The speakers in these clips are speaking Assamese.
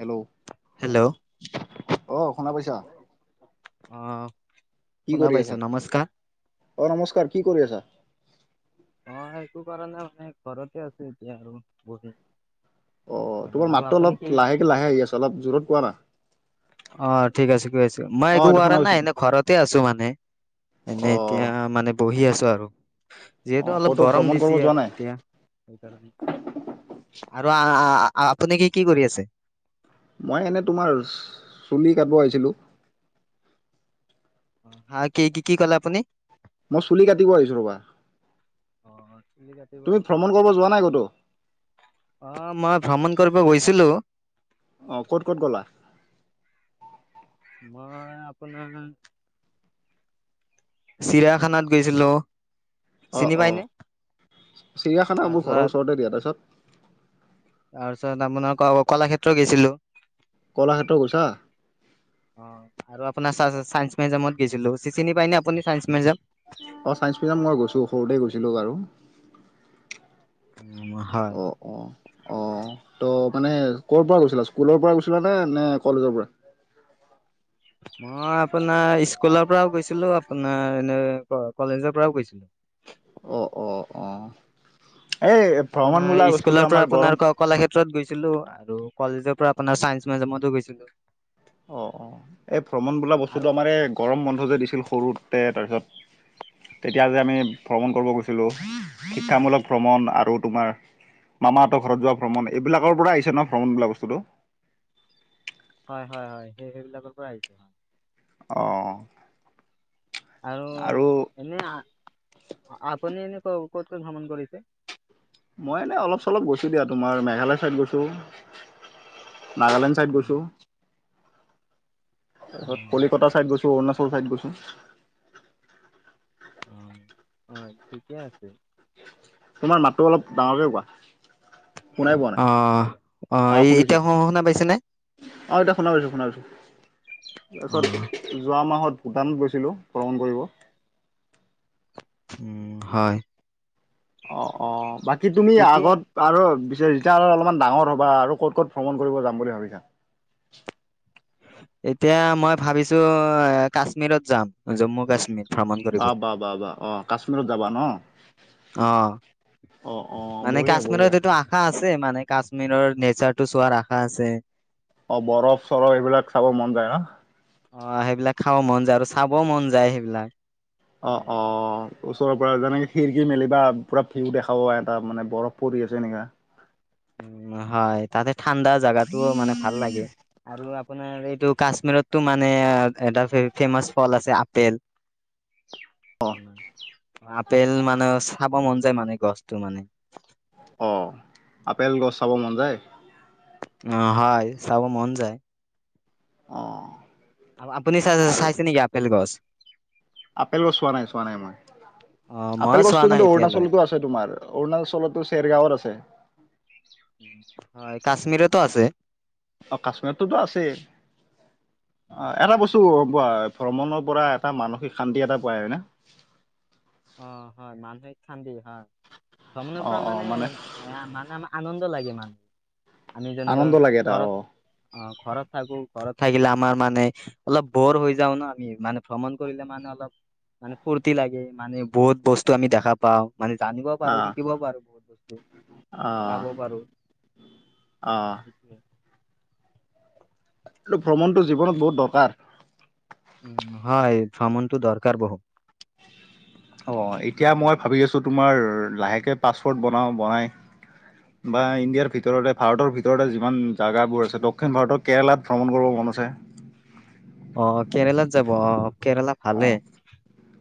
Hello hello. অ' শুনা পাইছা? অহ' কি কৰি আছা, অ' নমস্কাৰ কি কৰি আছা? অ' সেইটো কাৰণে মানে ঘৰতে আছোঁ এতিয়া আৰু বহুত দিন। অ' তোমাৰ মাতটো অলপ লাহেকে লাহে আহি আছে অলপ জোৰত কোৱা না। অ' ঠিক আছে গৈ আছোঁ। মই অ একো এইটো কৰা শুনা পাইছো নাই এনে ঘৰতে আছোঁ মানে অ এনেই এতিয়া মানে বহি আছোঁ আৰু। অ যিহেতু অলপ ক'তো গৰম ভ্ৰমণ দিছি কৰিব যোৱা আৰু নাই এতিয়া। আৰু আ আপুনি কি কি কৰি আছে? মই এনে তোমাৰ চুলি কাটব আহিছিলোঁ। হা কি কি কি ক'লে আপুনি। মই চুলি কাটিব আহিছোঁ ৰবা। অহ' অ' চুলি কাটিব তুমি আহিছে, ভ্ৰমণ কৰিব যোৱা নাই ক'তো অ' মই ভ্ৰমণ কৰিব গৈছি ছিলো। অহ' ক'ত, ক'ত, গ'লা। মই আপোনাৰ চিৰায়াখানাত গৈছিলোঁ। অ' অ' চিৰিয়াখানা মোৰ ঘৰৰ তাৰপিছত ওচৰতে দিয়া। তাৰপিছত তাৰপিছত আপোনাৰ কলাক্ষেত্ৰ গৈছিলোঁ। কলাক্ষেত্ৰ গৈছা। আপোন চা চা চায়েন্স মিউজিয়ামত গৈছিলোঁ চিনি পায় নে আপুনি চায়েন্স মিউজিয়াম? অ' চাইন্স মিউজিয়াম মই গৈছোঁ, সৰুতে গৈছিলোঁ বাৰু। উম, হয়। অ অ অ ত' মানে ক'ৰপৰা গৈছিলা, স্কুলৰ পৰা গৈছিলা নে, নে কলেজৰ পৰা? মই আপোনাৰ স্কুলৰ পৰাও গৈছিলোঁ। আপোনাৰ এনে কলেজৰ পৰাও গৈছিলোঁ। অ' অ' অ'। এই ভ্ৰমণ বোলা আপোনাৰ বস্তুটো স্কুলৰ পৰা আমাৰ গৰম আপোনাৰ ক'লা কলাক্ষেত্ৰত গৈছি ছিলো আৰু কলেজৰ পৰা আপোনাৰ চাইন্স মেউজিয়ামতো গৈছিলোঁ। অ' অ' এই ভ্ৰমণ বোলা আৰু বস্তুটো, আমাৰ এই গৰম বন্ধ যে দিছিল সৰুতে তাৰপিছত [inaudible] তেতিয়া যে আমি ভ্ৰমণ কৰিব গৈছিলোঁ। শিক্ষামূলক ভ্ৰমণ আৰু তোমাৰ মামাহঁতৰ ঘৰত যোৱা ভ্ৰমণ, এইবিলাকৰ পৰা আহিছে ন ভ্ৰমণ বোলা বস্তুটো। হয়, হয়, হয়। সেই সেইবিলাকৰ পৰা আহিছে হয়‌। অহ' আৰু এনে আহ আপুনি এনে ক'ত ক'ত ভ্ৰমণ কৰিছে? মই এনে অলপ চলপ গৈছোঁ দিয়া। তোমাৰ মেঘালয় চাইদ গৈছোঁ। নাগালেণ্ড চাইদ গৈছোঁ। তাৰপিছত, কলিকতা চাইদ গৈছোঁ, অৰুণাচল চাইদ গৈছোঁ। অ', অ', ঠিকে আছে। তোমাৰ মাতটো অলপ ডাঙৰকে কোৱা। শুনাই পোৱা নাই অ', অ', এতিয়া শ-শুনা পাইছে নে? অ', এতিয়া শুনা পাইছোঁ, শুনা পাইছোঁ, অ' তাৰপাছত যোৱা মাহত ভূটান গৈছিলোঁ ভ্ৰমণ কৰিব। উম, হয়। অ', অ', বাকী তুমি এতিয়া আগত আৰু বি যে-যেতিয়া আৰু অলপমান ডাঙৰ হ'বা আৰু ক'ত ক'ত ভ্ৰমণ কৰিব যাম বুলি ভাবিছা? এতিয়া মই ভাবিছোঁ কাশ্মীৰত যাম, জম্মু-কাশ্মীৰ। বা, বা, বা, বা, অ', কাশ্মীৰত যাবা ন'? অ অ', অ', বঢ়িয়া, বঢ়িয়া। ছে মানে কাশ্মীৰৰ নেচাৰটো চোৱাৰ আশা আছে। অ', বৰফণচৰফ এইবিলাক চাব মন যায় ন'? অ', সেইবিলাক খাব মন যায় আৰু চাবও মন যায় সেইবিলাক। অ', অ', ওচৰ পৰা যেনেকে খিৰিকি মেলিবা পুৰা ভিউ দেখা পাবা এটা মানে বৰফ পৰি আছে এনেকা। উম, হয় তাতে ঠাণ্ডা জাগাটোও মানে ভাল লাগে আৰু আপোনাৰ এই টো কাশ্মীৰতটো মানে এটা ফেমাচ ফল আছে, আপেল। আপেল মানে চাব মন যায় মানে গছটো মানে। খাব মন যায়? অ', হয় চাব মন যায়। অ'। আৰু আপুনি আৰু চা-চাইছে নেকি আপেল গছ? আপেল গছ চোৱা নাই চোৱা নাই মই। অ মই আপেল চোৱা গছতো নাই কিন্তু এতিয়ালৈ অৰুণাচলতো আছে, তোমাৰ অৰুণাচলতো চেৰ গাঁওত আছে। হয়, কাশ্মীৰটো আছে। অ' কাশ্মীৰতো আছে, অ' এটা বস্তু কোৱা ভ্ৰমণৰ পৰা এটা মানসিক শান্তি এটা পাই হয় নে? অ' হয় মানটেক শান্তি হয় ভ্ৰমণৰ অ পৰা অ মানে মানে আমাৰ আনন্দ লাগে মান আনন্দৰ লাগে‌ এটা অ'। অ' ঘৰত থাকোঁ, ঘৰত থাকিলে আমাৰ মানে অলপ বৰ হৈ যাওঁ ন আমি মানে ভ্ৰমণ কৰিলে মানে অলপ মানে ফূৰ্তি লাগে, মানে বহুত বস্তু আমি দেখা পাওঁ। মানে জানিবও অ পাৰোঁ, শিকিবও পাৰোঁ, বহুত বস্তু চাব পাৰোঁ। আহ। টো ভ্ৰমণটো জীৱনত বহুত দৰকাৰ? উম, হয় ভ্ৰমণটো দৰকাৰ বহুত। অ' এতিয়া মই ভাবি আছোঁ, তোমাৰ লাহেকে পাছপৰ্ট বনাওঁ, বনাই বা ইণ্ডিয়াৰ ভিতৰতে ভাৰতৰ ভিতৰতে যিমান জাগাবোৰ আছে দক্ষিণ ভাৰতৰ কেৰালাত ভ্ৰমণ কৰিব ম কন আছে অ'কেৰেলাত যাব অহ'। অ'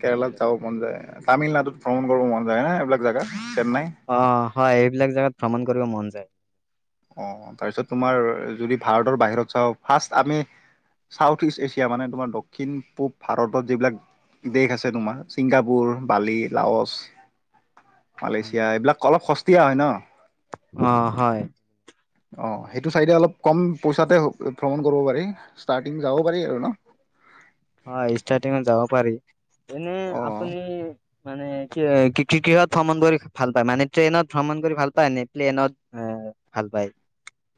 কেৰেলাত যাব মন যায়। তামিলনাডুত ভ্ৰমণ কৰিব মন যায় হা এইবিলাক জাগা। অ' হয় এইবিলাক জোগাত ভ্ৰমণ কৰিব মন যায়। অ', তাৰপিছত তোমাৰ যদি ভাৰতৰ বাহিৰত চাওঁ ফাৰ্ষ্ট আমি চাউথ ইষ্ট এছিয়া মানে তোমাৰ দক্ষিণ পূব ভাৰতত যিবিলাক। দেশ আছে তোমাৰ ছিংগাপুৰ, বালি, লাওছ। যায়। মালয়েছিয়া এইবিলাক অলপ সস্তীয়া হয় ন'। অ হয় অ', সেইটো চাইডে অলপ কম পইচাতে ভ্ৰমণ কৰিব পাৰি ষ্টাৰ্টিং যাব পাৰি আৰু ন'। হয় ষ্টাৰ্টিঙত যাব পাৰি এনে অ আপুনি মানে কি কিহ'ত ভ্ৰমণ কৰি ভাল পায় মানে ট্ৰেইনত ভ্ৰমণ কৰি ভাল পায় নে প্লেনত এই ভাল পায়।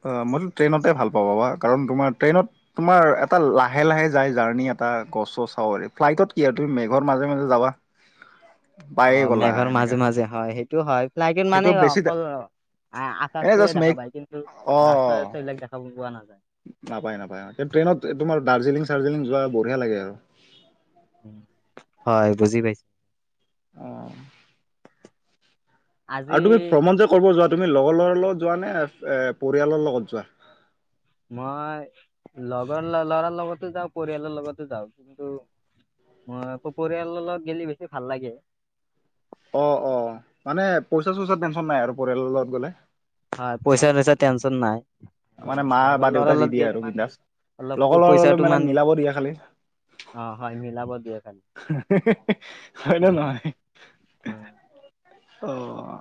অ' মইতো ট্ৰেইনতে ভাল পাওঁ বা কাৰণ তোমাৰ ট্ৰেইনত তোমাৰ এটা লাহে লাহে যায় জাৰণি এটা গছৰ চাউ ফ্লাইটত কি আৰু তুমি মেঘৰ মাজে মাজে যাবা। পায়ে অ', গ'লা মেঘৰ এনেকা মাজে মাজে হয় সেই লাগন মানে সেইটো বেছি অকল আকাশ এনে চয়ে জাষ্ট দেখা মেঘ পায় কিন্তু অ ৰাস্তা ৰাস্তা এইবিলাক দেখা পোৱা নাযায়। নাপায়, নাপায়। ট্ৰেইনত তোমাৰ দাৰ্জিলিং চাৰ্জিলিং যোৱা বঢ়িয়া লাগে আৰু। হয় বুজি পাইছো। অ'। আৰু আজি তুমি ভ্ৰমণ যে কৰিব যোৱা তুমি লগৰ লগৰ লগত যোৱা নে এ পৰিয়ালৰ লগত যোৱা। মই লগৰ ল-ল'ৰাৰ লগতে যাওঁ, পৰিয়ালৰ লগতে যাওঁ কিন্তু মই আকৌ পৰিয়ালৰ লগত গেলি বেছি ভাল লাগে। অ', অ', মানে পইচা চইচা টেনচন নাই আৰু পৰিয়ালৰ লগত গ'লে। হয় পইচা চইচা টেনশন নাই। মানে আৰু মা লগৰ বা লৰা দেউতাই দি লগ দিয়ে গেলে আৰু মানে বিন্দাছ। অলপ লগৰ ল'ৰা পইচাটো মানে মিলাব দিয়ে খালি অ', হয় মিলাব দিয় হয়নে নহয় অ',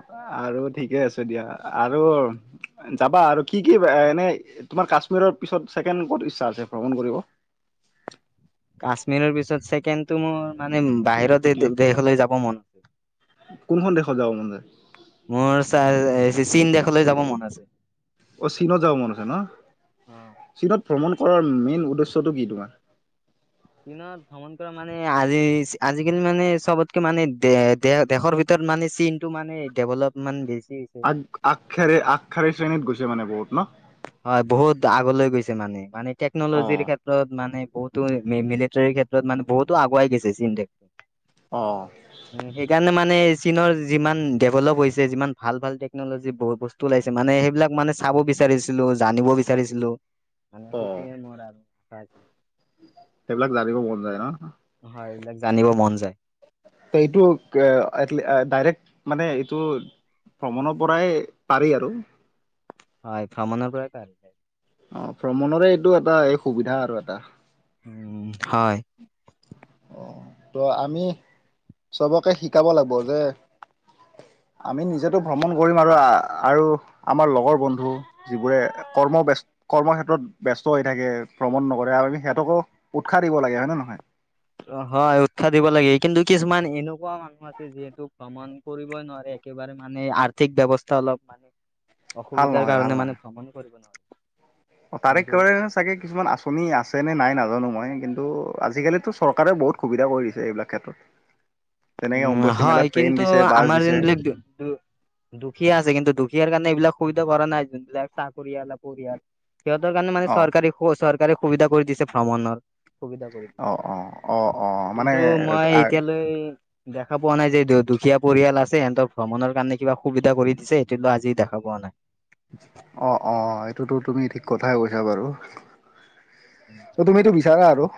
আৰু ঠিকে আছে দিয়া আৰু যাবা আৰু কি কি এনে তোমাৰ কাশ্মীৰৰ পিছত ছেকেণ্ড ক'ত ইচ্ছা আছে ভ্ৰমণ কৰিব। পাঁচ মিনিট পিছত চছেকেণ্ডটো মোৰ [inaudible] মানে দ্বিতীয় বাহিৰতে দেশলৈ যাব মন আছে। সজাওঁ মন যায়। মোৰ চীন দেশলৈ যাব মন আছে। অ', চীনত যাব মন আছে অ ন চীনত ভ্ৰমণ কৰাৰ মেইন উদ্দেশ্যটো কি তোমাৰ? দিনত ভ্ৰমণ কৰা মানে আজি আজিকালি মানে চবতকে মানে দে দেশৰ ভিতৰত মানে চিনটো মানে ডেভেলপ মান বেছ আগ আগশাৰী, আগশাৰী শ্ৰেণীত গৈছে মানে বহুত ন? হয় বহুত আগলৈ গৈছে মানে, মানে টেকনলজিৰ অ', ক্ষেত্ৰত মানে বহুতো মি-মিলিটাৰীৰ ক্ষেত্ৰত মানে, বহুতো আগুৱাই গেছে চীন দেশ। অ', উম, সেইকাৰণে মানে চীনৰ যিমান ডেভেলপ হৈছে যিমান ভাল ভাল টেকনলজি বস্তু ওলাইছে মানে সেইবিলাক মানে চাব বিচাৰিছ ছিলো জানিব বিচাৰিছিলো মানে অ'। সেইটোৱে মোৰ আৰু আশা আছিল। সেইবিলাক জানিব মন ন'। হয় এইবিলাক জানিব মন যায়। এইটো ডাইৰেক্ট মানে এইটো ভ্ৰমণৰ পৰাই পাৰি আৰু। হয় ভ্ৰমণৰ প্ৰয় অ ভ্ৰমণৰে এইটো এটা এই সুবিধা আৰু এটা উ হয় অ ত' আমি চবকে শিকাব লাগিব যে [unintelligible] আমি নিজেতো ভ্ৰমণ কৰিম আৰু আৰু আমাৰ লগৰ বন্ধু যিবোৰে কৰ্মবস্ত কৰ্মক্ষ্ষেত্ৰত ব্যস্ত হৈ থাকে ভ্ৰমণ নকৰে আৰু আমি সিহঁতকো উৎসাহ দিব লাগে হয়ে নে নহয় অ হয় উৎসাহ দিব লাগে কিন্তু কিছুমান এনেকুৱা মানুহ আছে যিহেতু ভ্ৰমণ কৰিবই নোৱাৰে একেবাৰে বাৰ মানে আৰ্থিক ব্ৱস্থা অলপ মানে ভাল অসুবিধাৰ নহয়, ভাল কাৰণে নহয়। মানে ভ্ৰমণ কৰিব নোৱি অ তাৰে কৰে চাগে কিছুমান আঁচনি আছে আছেনে নাই নাজানো মই কিন্তু আজিকালিতো চৰকাৰে বহুত সুবিধা কৰি দিছে এইবিলাক ক্ষেত্ৰত যেনেকে উম অম্বুবাচী হয় মেলাত ট্ৰেইন কিন্তু দিছে বাছ আমাৰ দিছে দিল দুখীয়া আছে কিন্তু দুখীয়াৰ কাৰণে এইবিলাক সুবিধা কৰা নাই যোন চাকৰিয়াল পৰিয়াল সিহঁতৰ কাৰণে অ মানেৰকাৰ সুবিধা কৰি দিছে ভ্ৰমণৰ সুবিধা কৰি অ দিছে অ অ অ মানে কিন্তু মই এতিয়ালৈ দেখা পোৱা নাই যে দুখীয়া পৰিয়াল আছে সিহঁতক ভ্ৰমণৰ কাৰণে কিবা সুবিধা কৰি দিছে সেইটো লো আজি দেখা পা কোৱা নাই অঁ অঁ এইটোতো তুমি ঠিক কথাই কৈছা বাৰু ত তুমিিতটো হয় বিচাৰা আৰু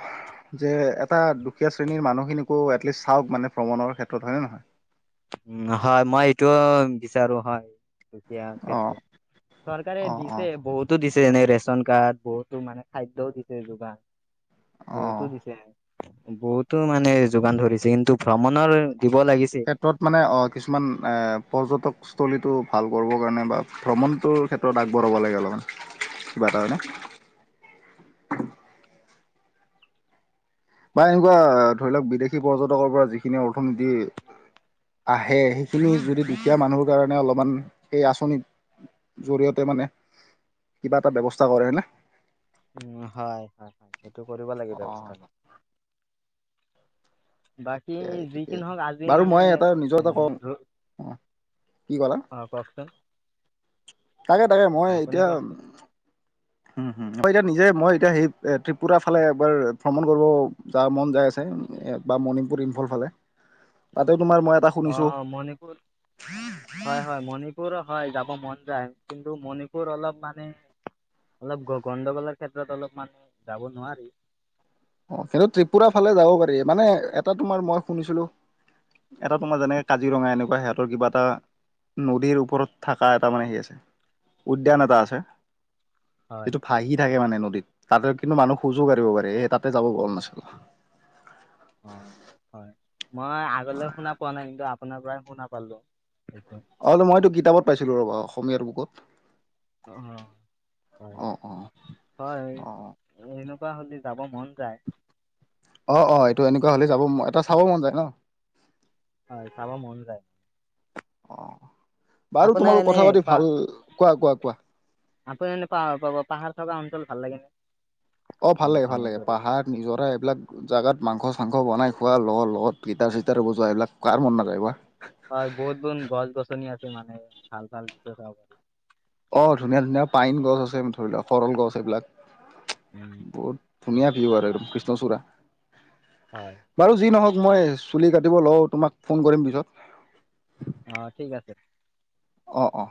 যে এটা দুখীয়া শ্ৰেণীৰ মানুহখিনিকো এটলিষ্ট চাওকানে ভ্ৰমণৰ ক্ষেত্ৰত হয় নে নহয় উ হয় মই এইটো বিচাৰো হয় তেতি অ ক্ষেত্ৰে চৰকাৰে অ অ দিছে বহুতো দিছে এনে ৰেচন কাৰ্ড বহুতো মানে খাদ্যয়ও দিছে যোগান অ বহুতো দিছে বহুতো মানে যোগান ধৰিছে কিন্তু ভ্ৰমণৰ দিব লাগিছিল ক্ষেত্ৰত মানে অ কিছুমান পৰ্যটকস্থলীটো ভাল কৰিবৰ কাৰণে বা ভ্ৰমণটোৰ ক্ষেত্ৰত আগবঢ়াব লাগে অলপ কিবা কাৰণে [unintelligible] বা এনেকুৱা ধৰি লওক বিদেশী পৰ্যটকৰ পৰা যিখিনি অৰ্থনীতি আহে সেইখিনি যদি দুখীয়া মানুহৰ কাৰণে অলপমান সেই আঁচনিত জৰিয়তে মানে কিবা এটা ব্য্ৱস্থা কৰেনেে উ হয় হয় হয় সেইটো কৰিব লাগে অ'। ব্যৱস্থাটো বাকী ঠিকে যি ঠিকে কিহওক আজি বাৰু মানে মই এটা নিজৰ এ এটা কওঁ ৰ অ' কি ক'লা? অ কওকচোন তাকে তাকে মই আপুনি এতিয়া কওকচোন এতিয়া নিজে মই এতিয়া সেই ত্ৰিপুৰাাৰ ফালে এবাৰ ভ্ৰমণ কৰিব যাৰ মন যায় আছে বা মণিংপুৰম ভ ফালে তাতে তোমাৰ মই এটা অ শুনিছো মণিপুৰ হয় হয় মণিপ মণপুৰ হয় যাব মন যায় কিন্তু মণিপুৰ অলপ মানে অলপ গ গণ্ডগোলৰ ক্ষেত্ৰত অলপ মানে যাব নোৱাৰি অ কিন্তু ত্ৰিপুৰাাৰ ফালে যাব পাৰি মানে এটা তোমাৰ মই শুনিছিলো এটা তোমাৰ যেনেকে কাজিৰঙা এনেকুৱা সিহঁতৰ কিবা এটা নদীৰ ওপৰত থকা এটা মানে সেই আছে উদ্যান এটা আছে হয়, যিটো ফাহি থাকে মানে নদীত তাতে কিন্তু মানুহ খোজো কাঢ়িব পাৰে স তাত যাব ব নাছিলো অ হয় মই আগলৈ শুনা পোৱা নাই কিন্তু আপোনাৰ পৰাই শুনা পালো এইটো। অ মইতো কিতাপত পাইছিলো ৰবা অসমীয়াৰ বুকত অ হয় অ অ হয় অ এেনেকুৱা হ'লে যাব মন যায় অ অ এইটো এনেকুৱা হ'লে চাব এটা চাব মন যায় ন হয় চাবা মন যায়। অ' বাৰু আপোনাৰ তোমালোক এনে কথা পাতি ভাল, কোৱা-কোৱা- কোৱা? আকৌ এনে পাহাৰ পাব, পাহাৰ থকা অঞ্চল ভাল লাগে অ' ভাল লাগে, ভাল ভ্ৰমণ লাগে, কৰি পাহাৰ নিজৰা এইবিলাক জাগাত মাংস মাংস বনাই খোৱা লগৰ লগত, গিটাৰ-চিটাৰ বজোৱা, এইবিলাক কাৰ মন নাযায় কোৱা। হয় বহুত বুন গছ গছনি আছে মানে, ভাল ভাল দিচ্ছ চাব পাৰি। অ' ধুনীয়া-ধুনীয়া পাইন গছ আছে, ধৰি লোৱা সৰল গছ এইবিলাক। উম বহুত হয় ধুনীয়া ভিউ আৰু [unintelligible] কৃষ্ণচূড়া। হয় বাৰু যি নহওক মই চুলি কাটিব লওঁ, তোমাক ফোন কৰিম পিছত। অ' ঠিক আছে। অ'-অ'।